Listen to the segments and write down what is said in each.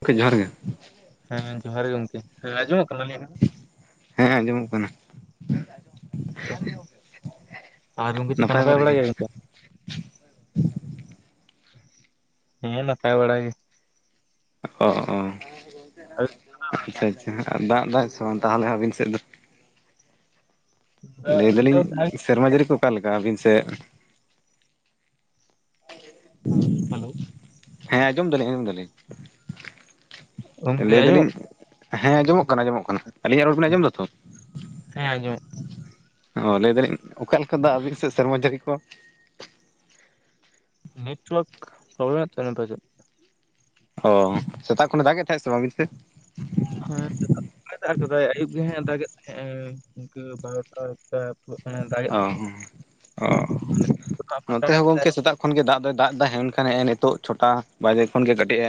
ᱜᱚᱢᱠᱮ ᱡᱚᱦᱟᱨ ᱜᱮ, ᱦᱮᱸ ᱡᱚᱦᱟᱨ ᱜᱮ ᱜᱚᱝᱠᱮ ᱦᱮᱸ ᱟᱸᱡᱚᱢᱚᱜ ᱠᱟᱱᱟ ᱟᱹᱞᱤᱧᱟᱜ? ᱦᱮᱸ ᱟᱸᱡᱚᱢᱚᱜ ᱠᱟᱱᱟ। ᱦᱚᱭ ᱛᱚ ᱟᱨ ᱜᱚᱝᱠᱮ ᱪᱮᱫ ᱞᱮᱠᱟ ᱱᱟᱯᱟᱭ ᱵᱟᱲᱟ ᱜᱮᱭᱟ ᱵᱤᱱ ᱛᱚ? ᱦᱮᱸ ᱱᱟᱯᱟᱭ ᱵᱟᱲᱟ ᱜᱮ। ᱚ ᱚ ᱟᱪᱪᱷᱟ ᱟᱪᱪᱷᱟ ᱫᱟᱜ ᱫᱟᱭ ᱥᱮ ᱵᱟᱝ ᱛᱟᱦᱚᱞᱮ ᱟᱹᱵᱤᱱ ᱥᱮᱫ ᱫᱚ? ᱦᱮᱸ ᱞᱟᱹᱭ ᱫᱟᱞᱤᱧ ᱥᱮᱨᱢᱟ ᱡᱟᱹᱲᱤ ᱠᱚ ᱚᱠᱟ ᱞᱮᱠᱟ ᱟᱹᱵᱤᱱ ᱥᱮᱫ? ᱦᱮᱸ ᱦᱮᱞᱳ ᱾ ᱦᱮᱸ ᱟᱸᱡᱚᱢ ᱫᱟᱞᱤᱧ ᱟᱸᱡᱚᱢ ᱫᱟᱞᱤᱧ ᱾ ᱜᱚᱝᱠᱮ ᱞᱟᱹᱭ ᱟᱸᱡᱚᱢᱚᱜ ᱮᱫᱟᱞᱤᱧ ᱦᱮᱸ ᱟᱸᱡᱚᱢᱚᱜ ᱠᱟᱱᱟ ᱟᱸᱡᱚᱢᱚᱜ ᱠᱟᱱᱟ ᱟᱞᱤᱧᱟᱜ ᱨᱚᱲ ᱵᱮᱱ ᱟᱸᱡᱚᱢ ᱫᱟᱛᱚ? ᱦᱮᱸ ᱟᱸᱡᱚᱢᱚᱜ ᱚ ᱞᱟᱹᱭ ᱫᱟᱞᱤᱧ ᱚᱠᱟ ᱞᱮᱠᱟ ᱫᱟᱜ ᱟᱹᱵᱤᱱ ᱥᱮᱫ ᱥᱮᱨᱢᱟ ᱡᱟᱹᱲᱤ ᱠᱚ? ᱱᱮᱴᱣᱟᱨᱠ ᱯᱨᱚᱵᱞᱮᱢ ᱮᱫ ᱛᱟᱵᱤᱱᱟᱭ ᱯᱟᱪᱮᱫ? ᱚ ᱥᱮᱛᱟᱜ ᱠᱷᱚᱱᱟᱜ ᱫᱟᱜ ᱮᱫ ᱛᱟᱦᱮᱸᱫ ᱥᱮ ᱵᱟᱝ ᱟᱵᱤᱱ ᱥᱮᱫ? ᱦᱮᱸ ᱥᱮᱛᱟᱜ ᱠᱷᱚᱱᱟᱜ ᱮ ᱫᱟᱜ ᱠᱮᱫᱟᱭ ᱟᱹᱩᱵ ᱜᱮ ᱦᱮᱜ ᱫᱟᱜᱮᱫ ᱛᱟᱦᱮᱸᱜᱼᱟ ᱤᱱᱠᱟᱹ ᱵᱟᱨᱚᱴᱟ ᱵᱟᱭ ᱟᱥᱚᱲᱚᱜ ᱠᱟᱱᱟ ᱾ ᱚ ᱦᱚᱸ ᱚᱻ ᱯᱷᱟᱸᱠᱟ ᱱᱚᱛᱮ ᱦᱚᱸ ᱜᱚᱝᱠᱮ ᱠᱮᱫᱟᱭ ᱥᱮᱛᱟᱜ ᱠᱷᱚᱱ ᱜᱮ ᱫᱟᱜ ᱫᱚᱭ ᱫᱟᱜ ᱮᱫᱟ ᱦᱮᱱᱠᱷᱟᱱ ᱦᱮᱸᱜ-ᱮ ᱱᱤᱛᱚᱜ ᱪᱷᱚᱴᱟ ᱵᱟᱡᱮ ᱠᱷᱚᱱ ᱜᱮ ᱠᱟᱹᱴᱤᱡ ᱮ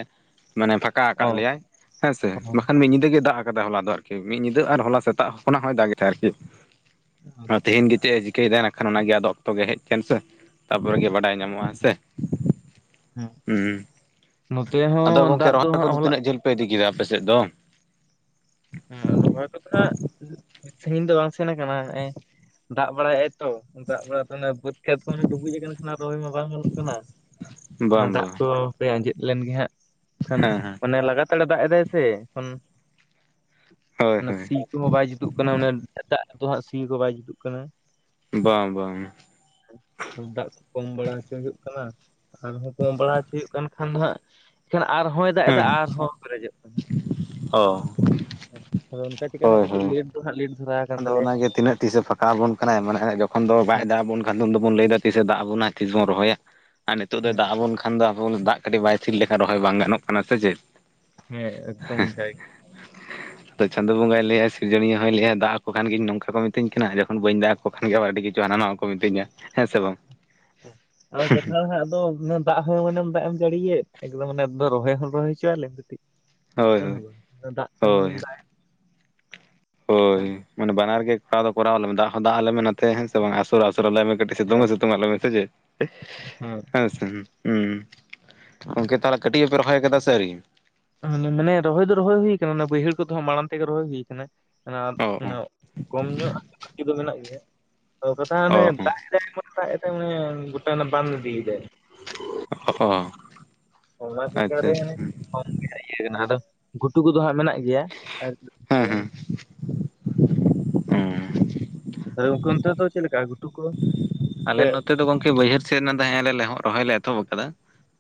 ᱢᱟᱱᱮ ᱯᱷᱟᱠ ᱠᱟ ᱚ ᱟᱠᱟᱫ ᱞᱮᱭᱟᱭ ᱦᱮᱸᱥᱮ ᱵᱟᱠᱷᱟᱱ ᱢᱤᱫ ᱧᱤᱫᱟᱹ ᱜᱮ ᱫᱟᱜ ᱟᱠᱟᱫᱟᱭ ᱦᱚᱞᱟ ᱫᱚ। ᱟᱨ ᱠᱤ ᱠᱤ ᱢᱤᱫ ᱧᱤᱫᱟᱹ ᱟᱨ ᱦᱚᱞᱟ ᱥᱮᱛᱟᱜ ᱠᱷᱚᱱᱟᱜ ᱦᱚᱸᱭ ᱫᱟᱜᱮ ᱛᱟᱦᱮᱸᱟ ᱟᱨᱠᱤ। [unintelligible] ᱟ ᱛᱮᱦᱤᱧ ᱜᱮ ᱪᱮᱫ ᱮ ᱪᱤᱠᱟᱹᱭ ᱮᱫᱟ ᱮᱠᱷᱟᱱ ᱚᱱᱟᱜᱮ ᱟᱫᱚ ᱚᱠᱛᱚ ᱜᱮ ᱦᱮᱡ ᱦᱚᱪᱟᱱ ᱥᱮ ᱛᱟᱯᱚᱨᱮᱜᱮ ᱵᱟᱰᱟᱭ ᱧᱟᱢᱚᱜ-ᱟ ᱦᱮᱸᱥᱮ? ᱦᱮᱸ ᱦᱩᱸᱢ ᱱᱚᱛᱮ ᱟᱫᱚ ᱦᱚᱸ ᱜᱚᱝᱠᱮ ᱫᱟᱜ ᱫᱚ ᱨᱚᱦᱚᱭ ᱦᱟᱸᱜ ᱠᱚᱫᱚ ᱦᱚᱞᱟ ᱛᱤᱱᱟᱹᱜ ᱡᱷᱟᱹᱞ ᱯᱮ ᱤᱫᱤ ᱠᱮᱫᱟ ᱟᱯᱮ ᱥᱮᱫ ᱫᱚ? ᱦᱩᱸ ᱨᱚᱦᱚᱭ ᱫᱚ ᱦᱟᱜ ᱥᱟᱺᱜᱤᱧ ᱫᱚ ᱵᱟᱝ ᱥᱮᱱ ᱟᱠᱟᱱᱟ᱾ ᱫᱟᱜ ᱵᱟᱲᱟᱭᱮᱜ-ᱟᱭ ᱛᱚ ᱫᱟᱜ ᱵᱟᱲᱟ ᱵᱟᱹᱛ ᱠᱷᱮᱛ ᱠᱚᱦᱚᱸ ᱰᱩᱵᱩᱡ ᱟᱠᱟᱱᱟ ᱠᱷᱟᱱ ᱨᱚᱦᱚᱭ ᱢᱟ ᱵᱟᱝ ᱦᱩᱭᱩᱜ ᱠᱟᱱᱟ ᱚᱱᱟ ᱵᱟᱝ ᱫᱟᱜ ᱵᱟᱝ ᱠᱚ ᱦᱟᱯᱮ ᱟᱸᱡᱮᱫ ᱞᱮᱱ ᱜᱮ ᱦᱟᱸᱜ ᱠᱷᱟᱱ ᱦᱮᱸ ᱦᱮᱸ ᱚᱱᱮ ᱞᱟᱜᱟᱛᱟᱲ ᱮ ᱫᱟᱜ ᱮᱫᱟᱭ ᱥᱮ ᱮᱠᱷᱚᱱ ᱦᱳᱭ ᱚᱱᱟ ᱦᱳᱭ ᱥᱤ ᱠᱚᱦᱚᱸ ᱵᱟᱭ ᱡᱩᱛᱩᱜ ᱠᱟᱱᱟ ᱫᱟᱜ ᱨᱮᱫᱚ ᱦᱟᱸᱜ ᱥᱤ ᱠᱚ ᱵᱟᱭ ᱡᱩᱛᱩᱜ ᱠᱟᱱᱟ᱾ ᱵᱟᱝ ᱵᱟᱝ᱾ ᱫᱟᱜ ᱠᱚ ᱠᱚᱢ ᱵᱟᱲᱟ ᱦᱚᱪᱚ ᱦᱩᱭᱩᱜ ᱠᱟᱱᱟ। ᱟᱨᱦᱚᱸ ᱠᱚᱢ ᱵᱟᱲᱟ ᱦᱚᱪᱚ ᱦᱩᱭᱩᱜ ᱠᱟᱱ ᱠᱷᱟᱱ ᱫᱚ ᱦᱟᱸᱜ ᱮᱱᱠᱷᱟᱱ ᱟᱨᱦᱚᱸᱭ ᱫᱟᱜ ᱦᱮᱸ ᱮᱫᱟ ᱟᱨᱦᱚᱸ ᱯᱮᱨᱮᱡᱚᱜ ᱠᱟᱱᱟ। ᱚ᱾ ᱟᱫᱚ ᱚᱱᱠᱟ ᱪᱤᱠᱟ ᱦᱟᱜ ᱦᱳᱭ ᱠᱟᱹᱴᱤᱡ ᱦᱳᱭ ᱞᱮᱴ ᱫᱚ ᱦᱟᱜ ᱞᱮᱹᱴ ᱫᱷᱟᱨᱟ ᱟᱠᱟᱱ ᱟᱫᱚ ᱛᱟᱞᱮᱭᱟ ᱚᱱᱟᱜᱮ ᱛᱤᱱᱟᱹᱜ ᱛᱤᱥᱮ ᱯᱷᱟᱸᱠᱟ ᱟᱵᱚᱱ ᱠᱟᱱᱟᱭ ᱢᱟᱱᱮ ᱡᱚᱠᱷᱚᱱ ᱫᱚ ᱵᱟᱭ ᱦᱮᱸ ᱫᱟᱜ ᱟᱵᱚᱱ ᱟᱫᱚ ᱩᱱ ᱫᱚᱵᱚᱱ ᱞᱟᱹᱭᱫᱟ ᱛᱤᱥ ᱮ ᱫᱟᱜ ᱟᱵᱚᱱᱟ ᱛᱤᱥ ᱵᱚᱱ ᱨᱚᱦᱚᱭᱟ ᱟᱨ ᱱᱤᱛᱚᱜ ᱫᱚ ᱦᱮᱸ ᱫᱟᱜ ᱟᱵᱚᱱ ᱠᱷᱟ ᱵᱟᱠᱷᱟᱱ ᱫᱚ ᱟᱵᱚᱱ ᱫᱟᱜ ᱠᱟᱹᱴᱤᱡ ᱵᱟᱭ ᱛᱷᱤᱨ ᱞᱮᱠᱷᱟᱱ ᱨᱚᱦᱚᱭ ᱵᱟᱝ ᱜᱟᱱᱚᱜ ᱠᱟᱱᱟ ᱥᱮ ᱪᱮᱫ? ᱦᱮᱸ ᱮᱠᱫᱚᱢ ᱚᱱᱠᱟᱜᱮ ᱾ ᱛᱚ ᱪᱟᱸᱫᱳ ᱵᱚᱸᱜᱟᱭ ᱞᱟᱹᱭᱟ ᱥᱤᱨᱡᱚᱱᱤᱭᱟᱹ ᱦᱚᱸᱭ ᱞᱟᱹᱭᱟ ᱫᱟᱜ ᱠᱷᱟᱱ ᱜᱤᱧ ᱱᱚᱝᱠᱟ ᱠᱚ ᱢᱤᱛᱤᱧ ᱠᱟᱱᱟ ᱡᱚᱠᱷᱟᱱ ᱵᱟᱹᱧ ᱫᱟᱜ ᱟᱠᱚ ᱠᱷᱟᱱ ᱟᱹᱰᱤ ᱠᱤᱪᱷᱩ ᱦᱟᱱᱟ ᱱᱟᱣᱟ ᱠᱚ ᱢᱤᱛᱟᱹᱧᱟ, ᱦᱮᱸᱥᱮ ᱵᱟᱝ? ᱟᱨ ᱠᱟᱛᱷᱟ ᱦᱟᱸᱜ ᱫᱚ ᱫᱟᱜ ᱦᱚᱸ ᱢᱟᱱᱮᱢ ᱫᱟᱜ ᱮᱢ ᱡᱟᱹᱲᱤ ᱮᱫ ᱮᱠᱫᱚᱢ ᱢᱟᱱᱮ ᱨᱚᱦᱚᱭ ᱦᱚᱸ ᱨᱚᱦᱚᱭ ᱦᱚᱪᱚᱭ ᱟᱞᱮᱢ ᱠᱟᱹᱴᱤᱡ ᱾ ᱦᱳᱭ ᱦᱳᱭ [unintelligible] ᱫᱟᱜ ᱛᱮ ᱦᱳᱭ [unintelligible] ᱠᱟᱱ ᱦᱳᱭ ᱢᱟᱱᱮ ᱵᱟᱱᱟᱨ ᱜᱮ ᱠᱚᱨᱟᱣ ᱫᱚ ᱠᱚᱨᱟᱣ ᱟᱞᱮ ᱢᱮ ᱫᱟᱜ ᱦᱚᱸ ᱫᱟᱜ ᱟᱞᱮ ᱢᱮ ᱦᱮᱱ ᱥᱮ ᱵᱟᱝ ᱟᱥᱳᱲ ᱦᱚᱸ ᱟᱥᱳᱲ ᱟᱞᱮ ᱢᱮ ᱠᱟᱹᱴᱡ ᱥᱮᱛᱳᱝ ᱦᱚᱸ ᱥᱮᱛᱳᱝ ᱟᱞᱮ ᱢᱮ ᱥᱮ ᱪᱮᱫ? ᱦᱩᱸ ᱦᱮᱸ ᱥᱮ ᱜᱚᱢᱠᱮ ᱛᱟᱦᱞᱮ ᱠᱟᱹᱴᱤᱡ ᱦᱚᱯᱮ ᱨᱚᱦᱚᱭ ᱟᱠᱟᱫᱟ ᱥᱮ ᱟᱹᱣᱨᱤᱭᱟ ᱢᱟᱱᱮ ᱨᱚᱦᱚᱭ ᱫᱚ ᱨᱚᱦᱚᱭ ᱦᱩᱭ ᱠᱟᱱᱟ ᱚᱱᱟ ᱵᱟᱹᱭᱦᱟᱹᱲ ᱠᱚᱫᱚ ᱢᱟᱲᱟᱝ ᱛᱮᱜᱮ ᱨᱚᱦᱚᱭ ᱦᱩᱭ ᱟᱠᱟᱱᱟ ᱚᱱᱟ ᱚ ᱚ ᱚᱱᱟ ᱠᱚᱢ ᱧᱚᱜ ᱵᱟᱠᱤ ᱫᱚ ᱢᱮᱱᱟᱜ ᱜᱮᱭᱟ ᱛᱚ ᱠᱟᱛᱷᱟ ᱚᱱᱮ ᱚ ᱫᱟᱜ ᱮᱫᱟᱭ ᱮᱢᱚᱱ [unintelligible] ᱜᱚᱴᱟ ᱵᱟᱱ ᱤᱫᱤᱭ ᱫᱟᱭ᱾ ᱚ ᱚ [unintelligible] ᱟᱪᱪᱷᱟ ᱨᱮ ᱟᱪᱪᱷᱟ [unintelligible] ᱟᱫᱚ ᱜᱷᱩᱴᱩ ᱠᱚᱫᱚ ᱦᱟᱸᱜ ᱢᱮᱱᱟᱜ ᱜᱮᱭᱟ ᱦᱮᱸ [unintelligible] ᱦᱮᱸ ᱟᱫᱚ ᱜᱚᱢᱠᱮ ᱚᱱᱛᱮ ᱫᱚ ᱪᱮᱫ ᱞᱮᱠᱟ ᱜᱷᱩᱴᱩᱠᱚ- ᱟᱞᱮ ᱱᱚᱛᱮ ᱫᱚ ᱜᱚᱝᱠᱮ ᱵᱟᱹᱭᱦᱟᱹᱲ ᱥᱮᱫ [unintelligible] ᱨᱚᱦᱚᱭ ᱞᱮ ᱮᱛᱚᱦᱚᱵ ᱟᱠᱟᱫᱟ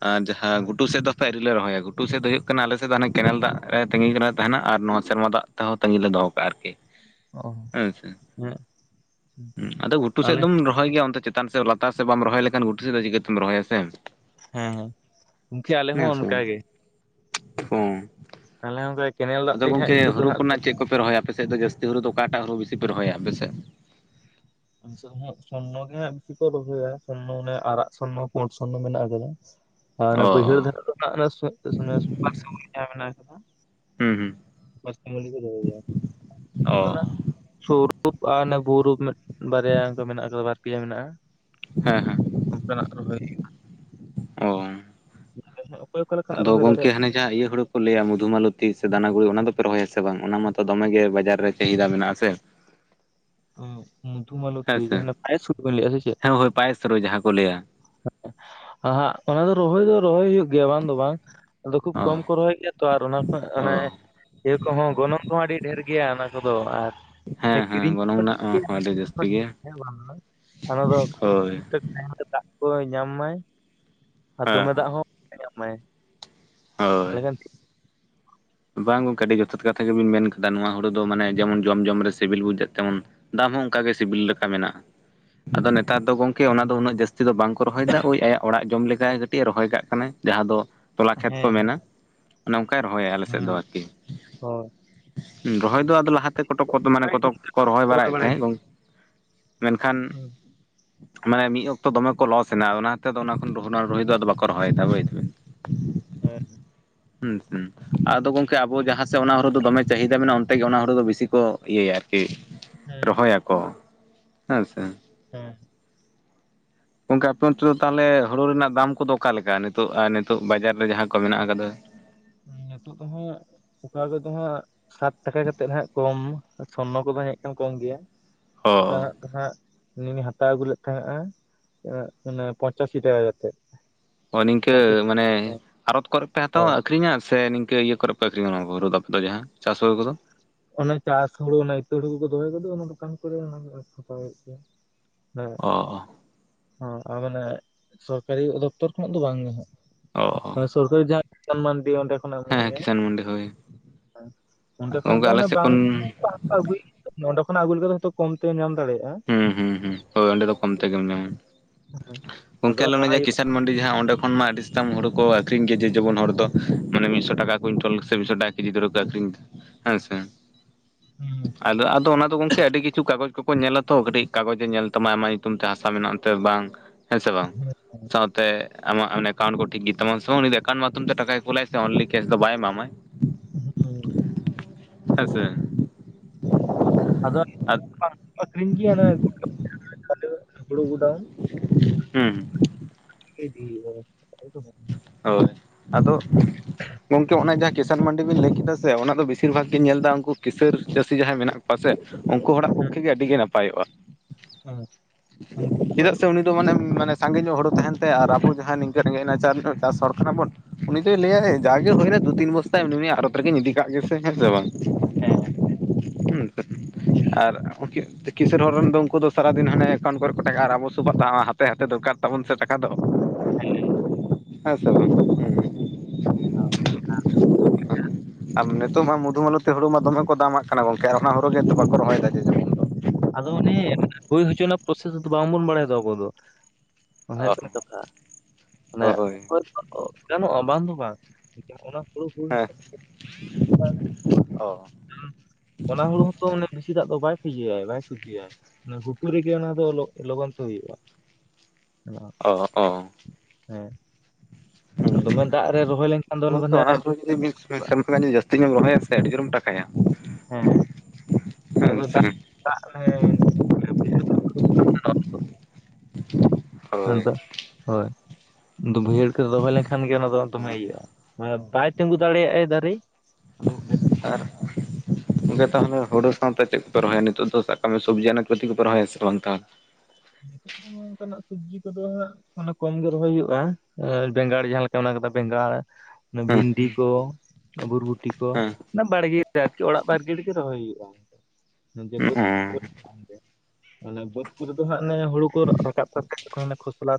ᱟᱨ ᱡᱟᱦᱟᱸ ᱜᱷᱩᱴᱩ ᱥᱮᱫ ᱫᱚ ᱟᱹᱨᱤᱞᱮ ᱨᱚᱦᱚᱭᱟ ᱜᱷᱩᱴᱩ ᱥᱮᱫ ᱫᱚ ᱦᱩᱭᱩᱜ ᱠᱟᱱᱟ ᱟᱞᱮ ᱥᱮᱫ ᱫᱚ ᱦᱟᱱᱮ ᱠᱮᱱᱮᱞ ᱫᱟᱜ ᱨᱮ ᱛᱟᱸᱜᱤ [unintelligible] ᱛᱟᱦᱮᱱᱟ ᱟᱨ ᱱᱚᱣᱟ ᱥᱮᱨᱢᱟ ᱫᱟᱜ ᱛᱟᱣ ᱛᱟᱺᱜᱤ ᱞᱟᱜᱟᱣ ᱠᱟᱜᱼᱟ ᱟᱨᱠᱤ᱾ ᱚ ᱟᱪᱪᱷᱟ ᱦᱮᱸ ᱟᱫᱚ ᱜᱷᱩᱴᱩ ᱥᱮᱫ ᱟᱞᱮ ᱫᱚᱢ ᱨᱚᱦᱚᱭ ᱜᱮᱭᱟ ᱚᱱᱛᱮ ᱪᱮᱛᱟᱱ ᱥᱮᱫ ᱞᱟᱛᱟᱨ ᱥᱮᱫ ᱵᱟᱢ ᱨᱚᱦᱚᱭ ᱞᱮᱠᱷᱟᱱ ᱜᱷᱩᱴᱩ ᱥᱮᱫ ᱫᱚ ᱪᱤᱠᱟᱹᱛᱮᱢ ᱨᱚᱦᱚᱭᱟ ᱥᱮ? ᱦᱮᱸ ᱦᱮᱸ ᱜᱚᱢᱠᱮ ᱟᱞᱮ ᱦᱚᱸ ᱚᱱᱠᱟ ᱜᱮ ᱦᱚᱸ [unintelligible] ᱠᱮᱱᱮᱞ ᱫᱟᱜ ᱟᱫᱚ ᱛᱮᱜᱮ ᱦᱟᱸᱜ ᱜᱚᱝᱠᱮ ᱜᱷᱩᱴᱩ ᱫᱚ ᱦᱩᱨᱩ ᱦᱟᱸᱜ ᱠᱷᱚᱱᱟᱜ ᱪᱮᱫ ᱠᱚᱯᱮ ᱨᱚᱦᱚᱭᱟ ᱟᱯᱮᱥᱮᱫ ᱫᱚ ᱡᱟᱹᱥᱛᱤ ᱦᱩᱨᱩ ᱫᱚ ᱚᱠᱟᱴᱟᱜ ᱦᱩᱲᱩ ᱵᱤᱮ ᱯᱮ ᱨᱚᱦᱚᱭᱟ ᱟᱯᱮᱥᱮᱫ? [unintelligible] ᱥᱚᱨᱱᱚ ᱜᱮ ᱦᱟᱜ ᱵᱤᱥᱤ ᱠᱚ ᱨᱚᱦᱚᱭᱟ ᱥᱚᱨᱱᱚ ᱚᱱᱮ ᱟᱨᱟᱜ ᱥᱚᱨᱱᱚ ᱯᱳᱴ ᱥᱚᱨᱱᱚ ᱢᱮᱱᱟᱜ ᱟᱠᱟᱫᱟ᱾ [unintelligible] ᱟᱨ ᱚᱱᱟ ᱚ ᱵᱟᱹᱭᱦᱟᱹᱲ ᱫᱷᱟᱨᱮ [unintelligible] ᱢᱮᱱᱟᱜ ᱦᱩᱸ ᱦᱩᱸ ᱚ [unintelligible] ᱥᱩᱨ ᱟᱨ ᱚᱱᱮ ᱵᱩᱯᱩ ᱵᱟᱨᱭᱟ ᱫᱚ ᱢᱮᱱᱟᱜ ᱠᱟᱫᱟ ᱵᱟᱨ ᱯᱮᱭᱟ ᱢᱮᱱᱟᱜᱼᱟ᱾ ᱦᱮᱸ ᱦᱮᱸ᱾ ᱚᱱᱠᱟᱱᱟᱜ ᱨᱚᱦᱚᱭ ᱚ ᱚᱠᱚᱭ ᱚᱠᱟ ᱞᱮᱠᱟᱱᱟᱜ ᱟᱫᱚ ᱨᱚᱦᱚᱭ ᱜᱚᱝᱠᱮ ᱫᱟᱲᱮᱭᱟᱜ ᱦᱟᱱᱮ ᱡᱟᱦᱟᱸ ᱤᱭᱟᱹ ᱦᱩᱲᱩ ᱠᱚ ᱞᱟᱹᱭᱟ ᱢᱚᱫᱷᱩ ᱢᱟᱞᱚᱛᱤ ᱥᱮ ᱫᱟᱱᱟ ᱜᱩᱲᱤ ᱚᱱᱟ ᱫᱚᱯᱮ ᱨᱚᱦᱚᱭᱟ ᱥᱮ ᱵᱟᱝ ᱚᱱᱟ ᱢᱟᱛᱚ ᱫᱚᱢᱮᱜᱮ ᱵᱟᱡᱟᱨ ᱨᱮ ᱪᱟᱦᱤᱫᱟ ᱢᱮᱱᱟᱜ-ᱟ ᱥᱮ ᱢᱚᱫᱷᱩ ᱦᱮᱸ ᱢᱟᱞᱚᱛᱤ ᱥᱮ ᱡᱟᱦᱟ ᱯᱟᱭᱮᱥ ᱦᱩᱲᱩ ᱵᱤᱱ ᱞᱟᱹᱭ-ᱟ ᱥᱮ ᱪᱮᱫ ᱦᱮᱸ ᱦᱳᱭ ᱯᱟᱭᱮᱥ ᱨᱳᱭ ᱡᱟᱦᱟᱸ ᱠᱚ ᱞᱟᱹᱭᱟ ᱦᱟᱸᱜ ᱚᱱᱟ ᱫᱚ ᱨᱚᱦᱚᱭ ᱫᱚ ᱨᱚᱦᱚᱭ ᱦᱩᱭᱩᱜ ᱜᱮᱭᱟ ᱵᱟᱝ ᱫᱚ ᱵᱟᱝ ᱟᱫᱚ ᱠᱷᱩᱵ ᱠᱚᱢ ᱚ ᱠᱚ ᱨᱚᱦᱚᱭ ᱜᱮᱭᱟ ᱛᱚ ᱟᱨ ᱚᱱᱟ ᱠᱚ ᱚ ᱚᱱᱮ ᱤᱭᱟᱹ ᱠᱚᱦᱚᱸ ᱜᱚᱱᱚᱝ ᱠᱚᱦᱚᱸ ᱟᱹᱰᱤ ᱰᱷᱮᱨ ᱜᱮᱭᱟ ᱚᱱᱟ ᱠᱚᱫᱚ ᱟᱨ ᱚᱱᱟ ᱦᱮᱸ ᱦᱮᱸ ᱠᱤᱨᱤᱧ ᱜᱚᱱᱚᱝ ᱱᱟᱜ [unintelligible] ᱦᱳᱭ ᱫᱟᱜ ᱠᱚᱭ ᱧᱟᱢ ᱢᱟᱭ ᱟᱨ ᱦᱮᱸ ᱫᱚᱢᱮ ᱦᱮᱸ ᱫᱟᱜ ᱦᱚᱸ ᱵᱟᱭ ᱧᱟᱢ ᱢᱟᱭ ᱦᱳᱭ ᱛᱟᱦᱚᱞᱮ ᱠᱷᱟᱱ ᱴᱷᱤᱠ ᱵᱟᱝ ᱜᱚᱝᱠᱮ ᱟᱹᱰᱤ ᱡᱚᱛᱷᱟᱛ ᱠᱟᱛᱷᱟ ᱜᱮᱵᱤᱱ ᱢᱮᱱ ᱠᱟᱫᱟ ᱱᱚᱣᱟ ᱦᱩᱲᱩ ᱫᱚ ᱢᱟᱱᱮ ᱡᱮᱢᱚᱱ ᱡᱚᱢ ᱡᱚᱢ ᱨᱮ ᱥᱤᱵᱤᱞ ᱵᱩᱡᱟᱹᱜ ᱛᱮᱢᱚᱱ ᱫᱟᱢ ᱦᱚᱸ ᱚᱱᱠᱟ ᱜᱮ ᱥᱤᱵᱤᱞ ᱞᱮᱠᱟ ᱢᱮᱱᱟᱜ-ᱟ ᱟᱫᱚ ᱱᱮᱛᱟᱨ ᱫᱚ ᱜᱚᱝᱠᱮ ᱚᱱᱟ ᱫᱚ ᱩᱱᱟᱹᱜ ᱡᱟᱹᱥᱛᱤ ᱫᱚ ᱵᱟᱝ ᱠᱚ ᱨᱚᱦᱚᱭ ᱮᱫᱟ ᱳᱭ ᱟᱭᱟᱜ ᱚᱲᱟᱜ ᱡᱚᱢ ᱞᱮᱠᱟᱭ ᱠᱟᱹᱴᱤᱡ ᱮ ᱨᱚᱦᱚᱭ ᱠᱟᱜ ᱠᱟᱱᱟᱭ ᱡᱟᱦᱟᱸ ᱫᱚ ᱛᱚᱞᱟ ᱠᱷᱮᱛ ᱦᱮᱸ ᱠᱚ ᱦᱮᱸ ᱢᱮᱱᱟ ᱚᱱᱮ ᱚᱱᱠᱟᱭ ᱨᱚᱦᱚᱭᱟ ᱟᱞᱮ ᱥᱮᱜ ᱫᱚ ᱦᱮᱸ ᱟᱨᱠᱤ ᱦᱳᱭ ᱨᱚᱦᱚᱭ ᱫᱚ ᱟᱫᱚ ᱞᱟᱦᱟᱛᱮ ᱠᱚᱴᱚᱠ ᱠᱚ ᱢᱟᱱᱮ ᱚᱱᱠᱟ ᱠᱚᱛᱚᱠ ᱜᱮ ᱠᱚ ᱨᱚᱦᱚᱭ ᱠᱚᱨᱟᱣ ᱵᱟᱲᱟᱭᱮᱫ ᱵᱟᱲᱟᱭ ᱛᱟᱦᱮᱸᱫ ᱢᱮᱱᱠᱷᱟᱱ ᱦᱩᱸ ᱢᱟᱱᱮ ᱢᱤᱫ ᱚᱠᱛᱚ ᱫᱚᱢᱮ ᱠᱚ ᱞᱚᱥ ᱮᱱᱟ ᱚᱱᱟ ᱛᱮᱫ ᱫᱚ ᱚᱱᱟ ᱠᱷᱚᱱ ᱨᱩ ᱫᱚ ᱵᱟᱠᱚ ᱨᱚᱦᱚᱭᱮᱫᱟ ᱵᱩᱡ ᱫᱟᱵᱤᱱ [inaudible] ᱦᱮᱸ ᱦᱩᱸ ᱦᱩᱸ ᱟᱫᱚ ᱜᱚᱢᱠᱮ ᱟᱵᱚ ᱡᱟᱦᱟᱸ ᱥᱮᱫ ᱚᱱᱟ ᱦᱩᱲᱩ ᱫᱚᱢᱮ ᱪᱟᱦᱤᱫᱟ ᱢᱮᱱᱟᱜ-ᱟ ᱚᱱᱛᱮ ᱜᱮ ᱚᱱᱟ ᱦᱩᱲᱩ ᱫᱚ ᱵᱤᱥᱤ ᱠᱚ ᱤᱭᱟᱹᱭᱟ ᱟᱨᱠᱤ ᱦᱮᱸ ᱨᱚᱦᱚᱭ ᱟᱠᱚ ᱦᱮᱸ ᱥᱮ ᱦᱮᱸ ᱜᱚᱝᱠᱮ ᱟᱯᱮ ᱚᱱᱚᱛ ᱫᱚ ᱛᱟᱦᱚᱞᱮ ᱦᱳᱲᱳ ᱨᱮᱱᱟᱜ ᱫᱟᱢ ᱠᱚᱫᱚ ᱚᱠᱟ ᱞᱮᱠᱟ ᱱᱤᱛᱚᱜ ᱟᱨ ᱱᱤᱛᱚᱜ ᱵᱟᱡᱟᱨ ᱨᱮ ᱡᱟᱦᱟᱸ ᱠᱚ ᱢᱮᱱᱟᱜ ᱟᱠᱟᱫᱟ ᱱᱤᱛᱚᱜ [unintelligible] ᱚᱠᱟ ᱠᱚᱫᱚ ᱦᱟᱸᱜ ᱥᱟᱴ ᱴᱟᱠᱟ ᱠᱟᱛᱮᱫ ᱦᱟᱸᱜ ᱠᱚᱢ ᱥᱚᱨᱱᱚ ᱠᱚᱫᱚ ᱦᱮᱡ ᱠᱟᱱ ᱠᱚᱢ ᱜᱮᱭᱟ ᱚᱱᱠᱟ ᱚ ᱦᱟᱸᱜ ᱦᱟᱸᱜ ᱟᱹᱞᱤᱧ ᱞᱤᱧ ᱦᱟᱛᱟᱣ ᱟᱹᱜᱩ ᱞᱮᱫ ᱛᱟᱦᱮᱸᱱᱟ ᱮ ᱯᱚᱸᱧᱪᱟᱥᱤ ᱴᱟᱠᱟ ᱠᱟᱛᱮᱫ ᱚ ᱱᱤᱝᱠᱟᱹ ᱯᱚᱸᱪᱟᱥᱤ ᱢᱟᱱᱮ ᱦᱮᱸ ᱟᱨᱚᱛ ᱠᱚᱨᱮ ᱯᱮ ᱦᱟᱛᱟᱣᱟ ᱦᱳᱭ ᱟᱹᱠᱷᱨᱤᱧᱟ ᱥᱮ ᱱᱤᱝᱠᱟᱹ ᱤᱭᱟᱹ ᱠᱚᱨᱮ ᱯᱮ ᱟᱹᱠᱨᱤᱧ ᱟᱱᱟ ᱠᱚ ᱫᱚ ᱟᱯᱮ ᱫᱚ ᱡᱟᱦᱟᱸ ᱪᱟᱥ ᱦᱳᱲᱳ ᱠᱚᱫᱚ ᱚᱱᱟ ᱪᱟᱥ ᱦᱳᱲᱳ ᱚᱱᱟ ᱤᱛᱟᱹ ᱦᱳᱲᱳ ᱠᱚᱠᱚ ᱫᱚᱦᱚᱭ ᱫᱚ ᱚᱱᱟ ᱫᱚᱠᱟᱱ ᱠᱚᱨᱮ ᱦᱟᱛᱟᱣᱟ ᱦᱩᱭᱩᱜ ᱜᱮᱭᱟ ᱚ ᱚ ᱦᱮᱸ ᱟᱨ ᱢᱟᱱᱮ ᱥᱚᱨᱠᱟᱨᱤ ᱫᱚᱯᱛᱚᱨ ᱠᱷᱚᱱᱟᱜ ᱫᱚ ᱵᱟᱝ ᱜᱮ ᱚ ᱚ ᱦᱟᱸᱜ ᱥᱚᱨᱠᱟᱨᱤ ᱡᱟᱦᱟᱸ [unintelligible] ᱫᱤᱭ ᱚᱸᱰᱮ ᱠᱷᱚᱱᱮ ᱮᱢᱚᱜ ᱦᱮᱸ ᱜᱮᱭᱟ ᱠᱤᱥᱟᱱ ᱢᱟᱱᱰᱤ ᱦᱳᱭ ᱚᱸᱰᱮ ᱠᱷᱚᱱᱟᱜ ᱫᱚ ᱜᱚᱝᱠᱮ ᱟᱞᱮ ᱚᱱᱮ ᱥᱮᱫ ᱵᱟᱝ ᱠᱷᱚᱱ ᱦᱟᱛᱟᱣ ᱟᱹᱜᱩᱭᱼᱼ ᱱᱚᱸᱰᱮ ᱠᱷᱚᱱᱟᱜ ᱟᱹᱜᱩ ᱠᱟᱛᱮ ᱦᱳᱭ ᱠᱚᱢ ᱛᱮ ᱧᱟᱢ ᱫᱟᱲᱮᱭᱟᱜ-ᱟ ᱦᱩᱸ ᱦᱩᱸ ᱦᱩᱸ ᱦᱳᱭ ᱚᱸᱰᱮ ᱫᱚ ᱠᱚᱢ ᱛᱮᱜᱮᱢ ᱧᱟᱢᱟ ᱦᱮᱸ ᱜᱚᱝᱠᱮ ᱟᱫᱚ ᱟᱞᱮ ᱚᱱᱮ ᱱᱚᱣᱟ ᱡᱮ ᱤᱭᱟᱹ ᱠᱤᱥᱟᱼᱼ ᱢᱟᱱᱰᱤ ᱡᱟᱦᱟᱸ ᱚᱸᱰᱮ ᱠᱷᱚᱱ ᱢᱟ ᱟᱹᱰᱤ ᱥᱟᱛᱟᱢ ᱦᱳᱲᱳ ᱠᱚ ᱟᱹᱷᱨᱤᱧ ᱜᱮᱭᱟ ᱡᱮ ᱡᱮᱢᱚᱱ ᱦᱚᱲ ᱫᱚ ᱢᱟᱱᱮ ᱢᱤᱫ ᱥᱚ ᱴᱟᱠᱟ ᱠᱩᱭᱮᱱᱴᱚᱞ ᱥᱮ ᱢᱤᱫ ᱥᱚ ᱴᱟᱠᱟ ᱤᱫᱤ ᱫᱷᱚᱨᱟ ᱠᱚ ᱟᱹᱠᱷᱨᱤᱧᱟ ᱦᱮᱸ ᱥᱮ ᱦᱩᱸ ᱟᱫᱚᱼᱟᱫᱚ ᱚᱱᱟ ᱫᱚ ᱜᱚᱝᱠᱮ ᱟᱹᱰᱤ ᱠᱤᱪᱷᱩ ᱠᱟᱜᱚᱡᱽ ᱠᱚᱠᱚ ᱧᱮᱞᱟ ᱛᱚ ᱠᱟᱹᱴᱤᱡ ᱠᱟᱜᱚᱡᱽ ᱮ ᱧᱮᱞ ᱛᱟᱢᱟ ᱟᱢᱟᱜ ᱧᱩᱛᱩᱢ ᱛᱮ ᱦᱟᱥᱟ ᱢᱮᱱᱟᱜ ᱮᱱᱛᱮ ᱵᱟᱝ ᱦᱮᱸ ᱥᱮ ᱵᱟᱝ ᱦᱩᱸ ᱥᱟᱶᱛᱮ ᱟᱢᱟᱜ ᱚᱱᱮ ᱮᱠᱟᱣᱩᱱᱴ ᱠᱚ ᱴᱷᱤᱠ ᱜᱮ ᱛᱟᱢᱟ ᱥᱮ ᱵᱟᱝ ᱩᱱᱤ ᱫᱚ ᱮᱠᱟᱣᱩᱱᱴ ᱢᱟᱫᱷᱚᱢ ᱴᱟᱠᱟᱭ ᱠᱩᱞᱟᱭ ᱥᱮ ᱚᱱᱞᱤ ᱠᱮᱥ ᱫᱚ ᱵᱟᱭ ᱮᱢᱟᱢᱟᱭ ᱦᱮᱸᱜᱮᱻ ᱦᱮᱸ ᱥᱮ ᱟᱫᱚ ᱟᱫ [unintelligible] ᱟᱹᱠᱷᱨᱤᱧ ᱜᱮᱭᱟ [unintelligible] ᱦᱳᱲᱳ ᱜᱚᱰᱟ ᱦᱮᱸᱻ [unintelligible] ᱦᱳᱭ ᱟᱫᱚ ᱜᱚᱝᱠᱮ ᱚᱱᱮ ᱡᱟᱦᱟᱸ ᱠᱮᱥᱼᱼ ᱟᱱ ᱢᱟᱱᱰᱤ ᱵᱤᱱ ᱞᱟᱹᱭ ᱠᱮᱫᱟ ᱥᱮ ᱚᱱᱟ ᱫᱚ ᱵᱤᱥᱤᱨ ᱵᱷᱟᱜᱽ ᱜᱮᱧ ᱧᱮᱞ ᱮᱫᱟ ᱩᱱᱠᱩ ᱠᱤᱥᱟᱹᱬ ᱪᱟᱹᱥᱤ ᱡᱟᱦᱟᱸᱭ ᱢᱮᱱᱟᱜ ᱠᱚᱣᱟ ᱯᱟᱥᱮᱡ ᱩᱱᱠᱩ ᱦᱚᱲᱟᱜ ᱦᱮᱸ ᱯᱚᱠᱠᱷᱮ ᱜᱮ ᱟᱹᱰᱤ ᱜᱮ ᱱᱟᱯᱟᱭᱚᱜ-ᱟ ᱦᱮᱸ ᱩᱱᱠᱩ ᱠᱚᱣᱟᱜ ᱪᱮᱫᱟᱜ ᱥᱮ ᱫᱚ ᱢᱟᱱᱮ ᱢᱟᱱᱮ ᱥᱟᱸᱜᱮ ᱧᱚᱜ ᱦᱳᱲᱳ ᱛᱟᱦᱮᱱ ᱛᱟᱭᱟ ᱟᱨ ᱟᱵᱚ ᱡᱟᱦᱟᱸᱭ ᱱᱤᱝᱠᱟ ᱨᱮᱸᱜᱮᱡ ᱱᱟᱪᱟᱨ ᱧᱚᱜ ᱪᱟᱥ ᱦᱚᱲ ᱠᱟᱱᱟ ᱵᱚᱱ ᱩᱱᱤ ᱫᱚᱭ ᱞᱟᱹᱭᱟᱭ ᱡᱟᱜᱮ ᱦᱩᱭᱱᱟ ᱫᱩ ᱛᱤᱱ ᱵᱚᱥᱛᱟᱭ ᱩᱱᱤ ᱟᱨᱚᱛ ᱨᱮᱜᱮᱧ ᱤᱫᱤᱠᱟᱜ ᱜᱮ ᱥᱮ ᱦᱮᱸ ᱥᱮ ᱵᱟᱝ ᱦᱮᱸᱻᱦᱮᱸᱻ [unintelligible] ᱟᱨ ᱩᱱᱠᱤ [unintelligible] ᱠᱤᱥᱟᱹᱬ ᱦᱚᱲ ᱨᱮᱱ ᱫᱚ ᱩᱱᱠᱩ ᱫᱚ ᱥᱟᱨᱟᱫᱤᱱ ᱦᱟᱱᱮ ᱮᱠᱟᱣᱩᱴ ᱠᱚᱨᱮ ᱠᱚ ᱴᱟᱠᱟᱭᱮᱜᱼᱟ ᱟᱨ ᱟᱵᱚ ᱥᱚᱵᱟᱜ ᱫᱚ ᱦᱟᱛᱮ ᱦᱟᱛᱮ ᱫᱚᱨᱠᱟᱨ ᱛᱟᱵᱚᱱ ᱥᱮ ᱴᱟᱠᱟ ᱫᱚ ᱦᱮᱸᱻ ᱦᱮᱸ ᱥᱮ ᱵᱟᱝ [unintelligible] [unintelligible] ᱟᱨ ᱱᱤᱛᱚᱜ ᱱᱷᱟᱜ ᱢᱚᱫᱷᱩᱢᱟᱞᱚᱛᱤ ᱦᱳᱲᱳ ᱢᱟ ᱫᱚᱢᱮ ᱠᱚ ᱫᱟᱢᱟᱜ ᱠᱟᱱᱟ ᱜᱚᱢᱠᱮ ᱟᱨ ᱚᱱᱟ ᱦᱳᱲᱳ ᱜᱮ ᱱᱤᱛᱚᱜ ᱵᱟᱠᱚ ᱨᱚᱦᱚᱭᱮᱫᱟ ᱡᱮᱼᱼ ᱟᱫᱚ ᱚᱱᱮ ᱦᱩᱭ ᱦᱚᱪᱚ ᱨᱮᱱᱟᱜ ᱯᱨᱚᱥᱮᱥ ᱫᱚ ᱵᱟᱝᱵᱚᱱ ᱵᱟᱲᱟᱭ ᱫᱚ ᱟᱵᱚ ᱫᱚ ᱚᱱᱟ ᱫᱚ ᱦᱩᱭᱩᱜ ᱠᱟᱱᱟ ᱚ ᱠᱟᱛᱷᱟ ᱢᱟᱱᱮᱼᱼ ᱦᱳᱭ ᱜᱟᱱᱚᱜ-ᱟ ᱵᱟᱝ ᱫᱚ ᱵᱟᱝ ᱚᱱᱟ ᱦᱳᱲᱳ ᱦᱮᱸ ᱚᱦᱚᱸ ᱚᱱᱟ ᱦᱳᱲᱳ ᱦᱚᱸᱛᱚ ᱵᱮᱥᱤ ᱫᱟᱜ ᱫᱚ ᱵᱟᱭ [unintelligible] [unintelligible] ᱜᱮᱭᱟ ᱜᱷᱩᱴᱩ ᱨᱮᱜᱮ ᱚᱱᱟ ᱫᱚ ᱞᱚᱜᱼᱞᱚᱜᱚᱱ ᱛᱮ ᱦᱩᱭᱩᱜᱼᱟ ᱚᱱᱟ ᱚ ᱦᱮᱸ ᱫᱚᱢᱮ ᱫᱟᱜ ᱨᱮ ᱨᱚᱦᱚᱭ ᱞᱮᱱᱠᱷᱟᱱ ᱫᱚ [unintelligible] [unintelligible] ᱰᱩᱵᱟᱹᱜᱼᱟ᱾ ᱥᱮᱢ ᱠᱷᱚᱱᱟᱜ ᱡᱮ ᱡᱟᱹᱥᱛᱤ ᱧᱚᱜ ᱨᱚᱦᱚᱭᱟ ᱥᱮ ᱟᱹᱰᱤ ᱡᱩᱨ ᱮᱢ ᱴᱟᱠᱟ ᱦᱮᱸ ᱚᱱᱟ ᱦᱮᱸ ᱫᱚ ᱥᱮ ᱫᱟᱜ [unintelligible] ᱦᱳᱭ [unintelligible] ᱦᱳᱭ ᱵᱟᱹᱭᱦᱟᱹᱲ ᱠᱚᱨᱮ ᱨᱚᱦᱚᱭ ᱞᱮᱱᱠᱷᱟᱱ ᱜᱮ ᱚᱱᱟ ᱫᱚ ᱫᱚᱢᱮ ᱤᱭᱼᱟ ᱵᱟᱭ ᱛᱤᱸᱜᱩ ᱫᱟᱲᱮᱭᱟᱜᱟᱭ ᱫᱟᱨᱮ [unintelligible] ᱟᱨ [unintelligible] ᱜᱚᱢᱠᱮ ᱛᱟᱦᱚᱞᱮ ᱦᱩᱲᱩ ᱥᱟᱶᱛᱮ ᱪᱮᱫ ᱠᱚᱯᱮ ᱨᱚᱦᱚᱭᱟ ᱱᱤᱛᱚᱜ ᱫᱚ ᱥᱟᱵᱠᱟᱜ ᱢᱮ ᱥᱚᱵᱽᱡᱤ ᱟᱱᱟᱡ ᱯᱟᱹᱛᱤ ᱠᱚ ᱯᱮ‌ ᱨᱚᱦᱚᱭᱟ ᱥᱮ ᱵᱟᱝ ᱛᱟᱦ- [inaudible] ᱦᱚᱸ ᱱᱚᱝᱠᱟᱱᱟᱜ ᱥᱚᱵᱽᱡᱤ ᱠᱚᱫᱚ ᱦᱟᱸᱜ ᱚᱱᱟ ᱠᱚᱢᱜᱮ ᱨᱚᱦᱚᱭ ᱦᱩᱭᱩᱜᱼᱟ ᱵᱮᱸᱜᱟᱲ ᱡᱟᱦᱟᱸᱮ ᱞᱮᱠᱟ ᱢᱮᱱᱟᱜ ᱠᱟᱫᱟ ᱵᱮᱸᱜᱟᱲ ᱚᱱᱟ ᱵᱷᱤᱱᱰᱤ ᱠᱚ ᱵᱩᱨᱵᱩᱴᱤ ᱠᱚ ᱚᱱᱟ ᱵᱟᱲᱜᱮ ᱟᱨᱠᱤ ᱚᱲᱟᱜ ᱵᱟᱲᱜᱮ ᱨᱮᱜᱮ ᱨᱚᱦᱚᱭ ᱦᱩᱭᱩᱜᱼᱟ ᱦᱮᱸ ᱦᱮᱸ ᱚ ᱦᱩᱸ ᱡᱮ [unintelligible] ᱚᱱᱮ ᱵᱟᱹᱫᱽ ᱠᱚᱨᱮ ᱫᱚ ᱦᱟᱸᱜ ᱚᱱᱮ ᱦᱩᱲᱩ ᱠᱚ ᱨᱟᱠᱟᱵ ᱛᱮ [unintelligible] ᱠᱷᱚᱥᱞᱟ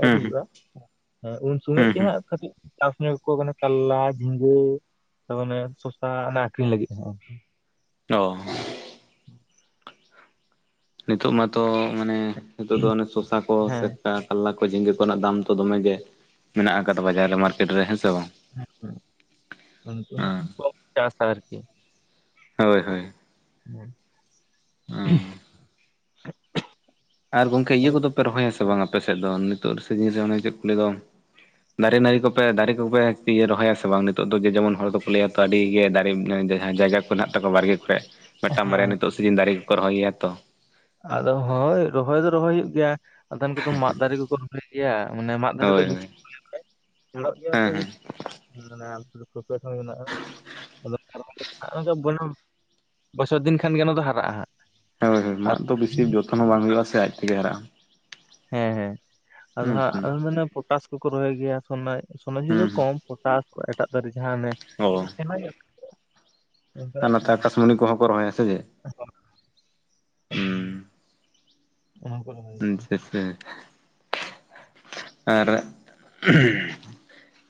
ᱦᱩᱸ [unintelligible] ᱩᱱ ᱥᱚᱢᱚᱭ ᱦᱩᱸ ᱜᱮ ᱦᱩᱸ ᱦᱟᱸᱜ ᱠᱟᱹᱴᱤᱡ ᱪᱟᱥ [unintelligible] ᱠᱟᱞᱞᱟ ᱡᱷᱤᱸᱜᱟᱹ ᱛᱚ ᱚᱱᱮ ᱥᱚᱥᱟ ᱚᱱᱟ ᱟᱠᱷᱨᱤᱧ ᱞᱟᱹᱜᱤᱫ [unintelligible] [inaudible] ᱱᱤᱛᱚᱜ ᱢᱟᱛᱚ ᱢᱟᱱᱮ ᱱᱤᱛᱚᱜ ᱫᱚ ᱚᱱᱮ ᱥᱚᱥᱟᱠᱚ ᱦᱮᱸ ᱥᱮᱠᱴᱟᱴ ᱠᱟᱨᱞᱟ ᱠᱚ ᱡᱷᱤᱸᱜᱟᱹ ᱠᱚᱨᱮᱱᱟᱜ ᱫᱟᱢ ᱛᱚ ᱫᱚᱢᱮ ᱜᱮ ᱢᱮᱱᱟᱜ ᱟᱠᱟᱫᱟ ᱵᱟᱡᱟᱨ ᱨᱮ ᱢᱟᱨᱠᱮᱴ ᱨᱮ ᱦᱮᱸ ᱥᱮ ᱵᱟᱝ [unintelligible] ᱪᱟᱥᱟ ᱟᱨᱠᱤ [inaudible] ᱦᱳᱭ ᱦᱳᱭ [unintelligible] ᱟᱨ ᱜᱚᱝᱠᱮ ᱤᱭᱟᱹ ᱠᱚᱫᱚᱯᱮ ᱨᱚᱦᱚᱭᱟᱥᱮ ᱵᱟᱝ ᱟᱯᱮ ᱥᱮᱫ ᱫᱚ ᱱᱤᱛᱚᱜ ᱥᱤᱡᱤᱱ ᱨᱮ ᱚᱱᱮ ᱪᱮᱫ ᱠᱚ ᱞᱟᱹᱭ ᱫᱚ ᱫᱟᱨᱮ ᱱᱟᱹᱲᱤ ᱠᱚᱯᱮ ᱫᱟᱨᱮ ᱠᱚᱯᱮ ᱤᱭᱟ ᱨᱚᱦᱚᱭᱟᱥᱮ ᱵᱟᱝ ᱱᱤᱛᱚᱜ ᱫᱚ ᱡᱮ ᱡᱮᱢᱚᱱ ᱦᱚᱲ ᱫᱚᱠᱚ ᱞᱟᱹᱭᱟ ᱛᱚ ᱟᱹᱰᱤ ᱜᱮ [unintelligible] ᱡᱟᱦᱟᱸ ᱡᱟᱭᱜᱟ ᱠᱚ ᱦᱮᱱᱟᱜ ᱛᱟᱠᱚᱣᱟ ᱵᱟᱲᱜᱮ ᱠᱚᱨᱮ ᱢᱤᱫᱴᱟᱝ ᱵᱟᱨᱭᱟ ᱱᱤᱛᱚᱜ ᱥᱤᱡᱤᱱ ᱫᱟᱨᱮ ᱠᱚᱠᱚ ᱨᱚᱦᱚᱭ ᱜᱮᱭᱟ ᱛᱚ ᱟᱫᱚ ᱦᱳᱭ ᱨᱚᱦᱚᱭ ᱫᱚ ᱨᱚᱦᱚᱭ ᱦᱩᱭᱩᱜ ᱜᱮᱭᱟ ᱟᱫᱷᱟᱱ ᱠᱚᱫᱚ ᱢᱟᱫ ᱫᱟᱨᱮ ᱠᱚᱠᱚ ᱨᱚᱦᱚᱭ ᱜᱮᱭᱟ ᱢᱟᱱᱮ ᱢᱟᱟᱜ ᱫᱷᱟᱨᱮ ᱫᱚ ᱦᱳᱭ ᱦᱳᱭ ᱦᱮᱸ ᱦᱮᱸ [unintelligible] [unintelligible] ᱵᱚᱪᱷᱚᱨ ᱫᱤᱱ ᱠᱷᱟᱱ ᱜᱮ ᱚᱱᱟ ᱫᱚ ᱦᱟᱨᱟᱜᱼᱟ ᱦᱟᱸᱜ ᱦᱳᱭ ᱦᱳᱭ ᱟᱨ ᱢᱟᱫ ᱫᱚ ᱵᱤᱥᱤ ᱡᱚᱛᱚᱱ ᱦᱚᱸ ᱵᱟᱝ ᱦᱩᱭᱩᱜᱼᱟ ᱥᱮ ᱟᱡ ᱛᱮᱜᱮ ᱦᱟᱨᱟᱜᱼᱟ ᱦᱮᱸ ᱦᱮᱸ ᱟᱫᱚ ᱦᱩᱸ ᱦᱟᱜ ᱦᱩᱸ ᱟᱫᱚ ᱢᱟᱱᱮ ᱯᱚᱴᱟᱥ ᱠᱚᱠᱚ ᱨᱚᱦᱚᱭ ᱜᱮᱭᱟ [unintelligible] ᱥᱚᱱᱟᱡᱷᱩᱨᱤ ᱫᱚ ᱦᱩᱸ ᱠᱚᱢ ᱯᱚᱴᱟᱥ ᱮᱴᱟᱜ ᱫᱟᱨᱮ ᱡᱟᱦᱟᱸᱮ ᱚᱱᱮ ᱦᱩᱸ ᱚ ᱠᱟᱹᱴᱤᱡ ᱥᱮᱬᱟ ᱧᱚᱜ ᱟᱨ ᱚᱱᱠᱟᱱᱟᱜ ᱠᱚ ᱱᱚᱛᱮ ᱟᱠᱟᱥᱢᱩᱱᱤ ᱠᱚᱦᱚᱸ ᱠᱚ ᱨᱚᱦᱚᱭᱟ ᱥᱮ ᱪᱮᱫ ᱦᱩᱸ [unintelligible] ᱚᱱᱟ ᱦᱚᱸ ᱠᱚ [unintelligible] ᱦᱮᱸ ᱟᱨ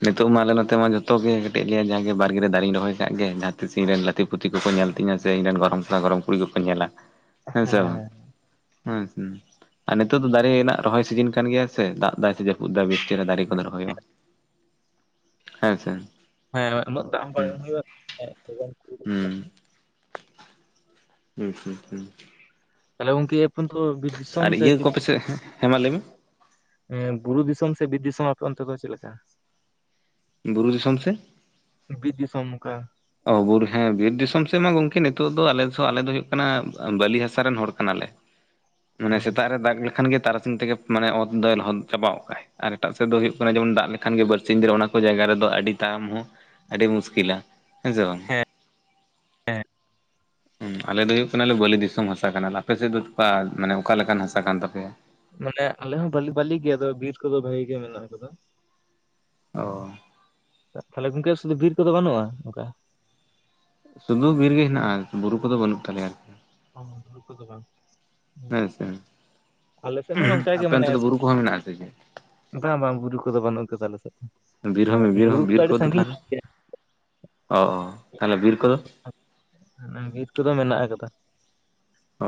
ᱱᱤᱛᱚᱜ ᱢᱟ ᱟᱞᱮ ᱱᱚᱛᱮ ᱢᱟ ᱡᱚᱛᱚ ᱜᱮ ᱠᱟᱹᱴᱤᱡ ᱞᱮ ᱡᱟᱸᱜᱮ ᱵᱟᱲᱜᱮ ᱨᱮ ᱫᱟᱨᱮᱧ ᱨᱚᱦᱚᱭ ᱠᱟᱜ ᱜᱮ ᱡᱟᱦᱟᱸ ᱛᱤᱥ ᱤᱧ ᱨᱮᱱ ᱞᱟ- ᱛᱤ ᱯᱩᱛᱤ ᱠᱚᱠᱚ ᱧᱮᱞ ᱛᱤᱧᱟᱹ ᱥᱮ ᱤᱧ ᱨᱮᱱ ᱜᱚᱲᱚᱢ ᱠᱚᱲᱟ ᱜᱚᱲᱚᱢ ᱠᱩᱲᱤ ᱠᱚᱠᱚ ᱧᱮᱞᱟ ᱦᱮᱸᱥ ᱵᱟᱝ, ᱦᱮᱸ ᱟᱨ ᱱᱤᱛᱚᱜ ᱫᱚ ᱫᱟᱨᱮ ᱨᱮᱱᱟᱜ ᱨᱚᱦᱚᱭ ᱥᱤᱡᱤᱱ ᱠᱟᱱ ᱜᱮᱭᱟ ᱥᱮ ᱫᱟᱜ ᱫᱟᱜ ᱥᱮ ᱡᱟᱯᱩᱫ ᱫᱟᱭ ᱵᱮᱥ ᱪᱮᱨᱦᱟ ᱫᱟᱨᱮ ᱠᱚ ᱠᱚᱞᱮ ᱨᱚᱦᱭᱚᱜᱼᱟ, ᱦᱮᱸ ᱥᱮ ᱦᱮᱸ ᱩᱱᱟᱹᱜ ᱫᱟᱜ ᱵᱟᱝ ᱦᱩᱸ ᱮᱢ ᱦᱩᱭᱩᱜᱼᱟ ᱦᱩᱸ ᱦᱩᱸ ᱦᱩᱸ ᱦᱩᱸ ᱛᱟᱞᱦᱮ ᱜᱚᱢᱠᱮ ᱟᱵᱤᱱ ᱫᱚ ᱵᱤᱨ ᱫᱤᱥᱚᱢ ᱟᱨ [inaudible] ᱤᱭᱟᱹ ᱠᱚᱯᱮ ᱥᱮᱫ ᱦᱮᱸ ᱢᱟ ᱞᱟᱹᱭ ᱢᱮ ᱮᱸ ᱵᱩᱨᱩ ᱫᱤᱥᱚᱢ ᱥᱮ ᱵᱤᱨ ᱫᱤᱥᱚᱢ ᱟᱯᱮ ᱚᱱᱛᱮ ᱫᱚ ᱪᱮᱫᱞᱮᱠᱟ ᱵᱩᱨᱩ ᱫᱤᱥᱚᱢ ᱥᱮ ᱵᱤᱨ ᱫᱤᱥᱚᱢ ᱚᱝᱠᱟ ᱚ ᱵᱩᱨ ᱦᱮᱸ ᱵᱤᱨ ᱫᱤᱥᱚᱢ ᱥᱮᱫ ᱢᱟ ᱜᱚᱝᱠᱮ ᱱᱤᱛᱚᱜ ᱫᱚ ᱟᱞᱮ ᱥᱚ ᱟᱞᱮ ᱫᱚ ᱦᱩᱭᱩᱜ ᱠᱟᱱᱟ ᱵᱟᱹᱞᱤ ᱦᱟᱥᱟ ᱨᱮᱱ ᱦᱚᱲ ᱠᱟᱱᱟᱞᱮ ᱢᱟᱱᱮ ᱥᱮᱛᱟᱜ ᱨᱮ ᱫᱟᱜ ᱞᱮᱠᱷᱟᱱ ᱜᱮ ᱛᱟᱨᱟᱥᱤᱧ ᱛᱮᱜᱮ ᱢᱟᱱᱮ ᱚᱛ ᱫᱚᱭ ᱞᱚᱦᱚᱫ ᱪᱟᱵᱟᱣ ᱜᱚᱜ ᱠᱟᱜ ᱟᱭ ᱟᱨ ᱮᱴᱟᱜ ᱥᱮᱫ ᱫᱚ ᱦᱩᱭᱩᱜᱜ ᱠᱟᱱᱟ ᱡᱮᱢᱚᱱ ᱫᱟᱜ ᱞᱮᱠᱷᱟᱱ ᱜᱮ ᱵᱟᱨᱥᱤᱧ ᱫᱤ ᱚᱱᱟ ᱠᱚ ᱡᱟᱭᱜᱟ ᱨᱮᱫᱚ ᱟᱹᱰᱤ ᱛᱟᱭᱚᱢ ᱦᱚᱸ ᱟᱹᱰᱤ ᱢᱩᱥᱠᱤᱞᱟ ᱦᱮᱸ ᱥᱮ ᱵᱟᱝ ᱦᱮᱸ ᱟᱞᱮ ᱫᱚ ᱦᱩᱭᱩᱜ ᱠᱟᱱᱟᱞᱮ ᱵᱟᱹᱞᱤ ᱫᱤᱥᱚᱢ ᱦᱟᱥᱟ ᱠᱟᱱᱟᱞᱮ ᱟᱯᱮᱥᱮᱫ ᱫᱚ ᱚᱠᱟ ᱢᱟᱱᱮ ᱚᱠᱟ ᱞᱮᱠᱟᱱ ᱦᱟᱥᱟ ᱠᱟᱱ ᱛᱟᱯᱮᱭᱟ? ᱢᱟᱱᱮ ᱟᱞᱮ ᱦᱚᱸ ᱵᱟᱹᱞᱤ ᱵᱟᱹᱞᱤ ᱜᱮᱭᱟ ᱵᱤᱨ ᱠᱚᱫᱚ ᱵᱷᱟᱜᱤ ᱜᱮ ᱢᱮᱱᱟᱜ ᱟᱠᱟᱫᱟ᱾ ᱦᱮᱸ ᱚ ᱛᱟᱦᱞᱮ ᱜᱚᱝᱠᱮ ᱥᱩᱫᱩ ᱵᱤᱨ ᱠᱚᱫᱚ ᱵᱟᱹᱱᱩᱜᱼᱟ ᱟᱝᱠᱟ᱾ ᱥᱩᱫᱩ ᱵᱤᱨ ᱜᱮ ᱦᱮᱱᱟᱜᱼᱟ ᱵᱩᱨᱩ ᱠᱚᱫᱚ ᱵᱟᱹᱱᱩᱜ ᱛᱟᱞᱮᱭᱟ ᱟᱨ ᱚᱦᱚ ᱵᱩᱨᱩ ᱠᱚᱫᱚ ᱵᱟᱝ᱾ ᱦᱮᱸ ᱛᱚ ᱟᱞᱮ ᱥᱮᱫ ᱦᱚᱸ ᱱᱚᱝᱠᱟ ᱜᱮ ᱟᱯᱮ ᱚᱱᱛᱮ ᱢᱮᱱᱟᱭᱟ ᱫᱚ ᱥᱮ ᱵᱩᱨᱩ ᱠᱚᱦᱚᱸ ᱢᱮᱱᱟᱜ ᱟᱥᱮ ᱪᱮᱫ ᱵᱟᱝ ᱵᱟᱝ ᱵᱩᱨᱩ ᱠᱚᱫᱚ ᱵᱟᱹᱱᱩᱜ ᱠᱟᱫᱟ ᱟᱞᱮ ᱥᱮᱫ ᱫᱚ ᱵᱤᱨ ᱢᱟᱱᱮ ᱦᱚᱸ ᱵᱤᱨ ᱵᱩᱨᱩ ᱦᱚᱸ ᱵᱤᱨ ᱟᱹᱰᱤ ᱠᱚᱫᱚ ᱥᱟᱺᱜᱤᱧ ᱛᱟᱦᱚᱞᱮ ᱧᱚᱜ ᱜᱮᱭᱟ ᱚ ᱚ ᱛᱟᱦᱚᱞᱮ ᱵᱤᱨ ᱵᱩᱨᱩ ᱠᱚᱫᱚ ᱠᱚ ᱵᱤᱨ ᱠᱚᱫᱚ ᱢᱮᱱᱟᱜ ᱟᱠᱟᱫᱟ᱾ ᱚ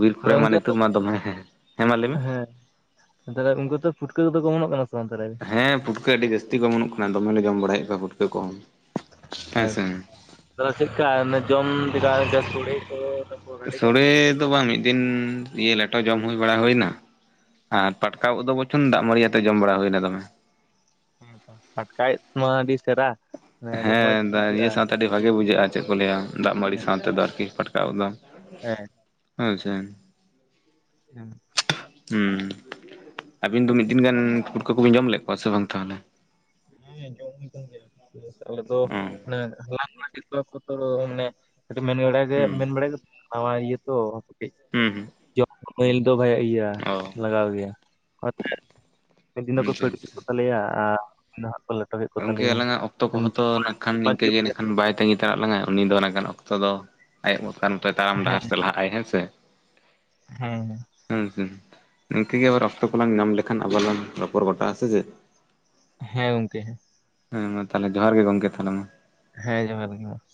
ᱵᱤᱨ ᱛᱟᱦᱚᱞᱮ ᱠᱚᱨᱮ ᱢᱟ ᱜᱚᱝᱠᱮ ᱱᱤᱛᱚᱜ ᱢᱟ ᱫᱚᱢᱮ ᱦᱮᱸ ᱦᱮᱸ ᱦᱮᱸ ᱢᱟ ᱞᱟᱹᱭᱢᱮ ᱛᱟᱦᱞᱮ ᱜᱚᱝᱠᱮ ᱯᱷᱩᱴᱠᱟᱹ ᱠᱚᱫᱚ ᱠᱚ ᱚᱢᱚᱱᱚᱜ ᱠᱟᱱᱟ ᱥᱮ ᱵᱟᱝ ᱛᱟᱦᱞᱮ᱾ ᱦᱮᱸ ᱯᱷᱩᱴᱠᱟᱹ ᱟᱹᱰᱤ ᱡᱟᱹᱛᱤ ᱠᱚ ᱚᱢᱚᱱᱚᱜ ᱠᱟᱱᱟ ᱫᱚᱢᱮ ᱞᱮ ᱡᱚᱢ ᱵᱟᱲᱟᱭᱮᱫ ᱠᱚᱣᱟ ᱯᱷᱩᱴᱠᱟᱹ ᱠᱚ ᱦᱮᱸ ᱪᱮᱫᱠᱟ ᱡᱚᱢ ᱠᱮᱫᱟᱭ ᱡᱟᱥ ᱥᱚᱲᱮ ᱠᱚ ᱜᱟᱹᱰᱤ ᱜᱟᱱ ᱥᱳᱲᱮ ᱫᱚ ᱵᱟᱝ ᱢᱤᱫ ᱫᱤᱱ ᱤᱭᱟᱹ ᱞᱮᱴᱳ ᱡᱚᱢ ᱦᱩᱭ ᱵᱟᱲᱟ ᱦᱩᱭᱱᱟ᱾ ᱟᱨ ᱯᱟᱴᱠᱟ ᱩᱫ ᱫᱚ ᱵᱚᱪᱚᱱ ᱫᱟᱜᱽ ᱢᱟᱺᱰᱤ ᱟᱛᱮ ᱡᱚᱢ ᱵᱟᱲᱟ ᱦᱩᱭᱞᱮᱱᱟ ᱫᱚᱢᱮ᱾ ᱯᱟᱴᱠᱟ ᱩᱫᱢᱟ ᱟᱹᱰᱤ ᱥᱮᱨᱟ ᱦᱮᱸ ᱫᱟ ᱤᱭᱟᱹ ᱥᱟᱶᱛᱮ ᱟᱹᱰᱤ ᱵᱷᱟᱜᱮ ᱵᱩᱡᱷᱟᱹᱜᱼᱟ ᱪᱮᱫ ᱠᱚ ᱞᱟᱹᱭᱟ ᱫᱟᱜᱽ ᱢᱟᱺᱲᱤ ᱦᱮᱸ ᱥᱟᱶ ᱛᱮᱫᱚ ᱟᱨᱠᱤ ᱯᱟᱴᱠᱟ ᱩᱫ ᱫᱚ ᱦᱮᱸ ᱟᱪᱪᱷᱟ ᱦᱮᱸ ᱦᱚᱸ ᱟᱹᱵᱤᱱ ᱫᱚ ᱢᱤᱫ ᱫᱤᱱ ᱜᱟᱱ ᱯᱷᱩᱴᱠᱟᱹ ᱠᱚᱵᱤᱱ ᱡᱚᱢ ᱞᱮᱫ ᱠᱚᱣᱟ ᱥᱮ ᱵᱟᱝ ᱛᱟᱦᱚᱞᱮ? ᱦᱚᱭᱟ ᱡᱚᱢ ᱦᱩᱭ ᱠᱟᱱ ᱜᱮᱭᱟ᱾ ᱟᱞᱮ ᱫᱚ ᱚ ᱢᱟᱱᱮ ᱦᱚᱞᱟᱱ ᱢᱟᱫᱷᱮᱨ ᱠᱚᱨᱮ ᱠᱚᱛᱚ ᱢᱟᱱᱮ ᱢᱮᱱ ᱵᱟᱲᱟᱭ ᱦᱩᱸ ᱢᱮᱱ ᱵᱟᱲᱟᱭᱮᱫ ᱱᱟᱣᱟ ᱤᱭᱟᱹ ᱛᱚ ᱠᱟᱹᱴᱤᱡᱽ ᱦᱚᱸ ᱦᱚᱸ ᱡᱚᱢ ᱠᱚ ᱫᱚ ᱵᱷᱟᱭᱤᱞ [unintelligible] ᱞᱟᱜᱟᱣ ᱜᱮᱭᱟ ᱢᱤᱫ ᱫᱤᱱ ᱫᱚ ᱠᱚ ᱟᱪᱪᱷᱟ ᱥᱚᱲᱮ ᱠᱮᱫ ᱟᱪᱪᱷᱟ ᱠᱚ ᱛᱟᱞᱮᱭᱟ ᱟᱨ ᱛᱮᱦᱮᱧ ᱫᱚᱱᱷᱟᱜ ᱠᱚ ᱞᱮᱴᱚ ᱠᱮᱫ ᱠᱚ ᱜᱚᱝᱠᱮ ᱛᱟᱞᱮᱭᱟ ᱟᱞᱟᱝᱟᱜ ᱚᱠᱛᱚ ᱦᱮᱸ ᱠᱚᱦᱚᱸ ᱚ ᱱᱟᱸᱜ ᱠᱷᱟᱱ ᱱᱤᱝᱠᱟᱹ ᱜᱮ ᱵᱟᱭ ᱛᱟᱹᱜᱤ ᱛᱟᱲᱟ ᱞᱟᱝᱟᱭ ᱩᱱᱤ ᱫᱚ ᱩᱱᱟᱹᱜ ᱜᱟᱱ ᱚᱠᱛᱚ ᱫᱚ [unintelligible] ᱛᱟᱲᱟᱢ ᱰᱟᱦᱟᱨ ᱛᱮ ᱞᱟᱦᱟᱜᱼ ᱟᱭ ᱦᱮᱸ ᱥᱮ ᱾ ᱦᱮᱸ ᱦᱮᱸ ᱾ ᱦᱮᱸ ᱦᱩᱸ ᱱᱤᱝᱠᱟᱹ ᱜᱮ ᱟᱵᱟᱨ ᱚᱠᱛᱚ ᱠᱚᱞᱟᱝ ᱧᱟᱢ ᱞᱮᱠᱷᱟᱱ ᱟᱵᱟᱨ ᱞᱟᱝ ᱨᱚᱯᱚᱲ ᱜᱚᱴᱟᱜ ᱥᱮ ᱪᱮ ᱾ ᱦᱮᱸ ᱜᱚᱝᱠᱮ ᱾ ᱦᱮᱸ ᱢᱟ ᱛᱟᱦᱞᱮ ᱡᱚᱦᱟᱨ ᱜᱮ ᱜᱚᱝᱠᱮ ᱛᱟᱦᱚᱞᱮ ᱢᱟ ᱾ ᱦᱮᱸ ᱡᱚᱦᱟᱨ ᱜᱮ ᱾